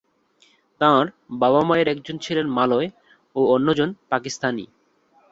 তাঁর বাবা-মায়ের একজন ছিলেন মালয় ও অন্যজন পাকিস্তানি।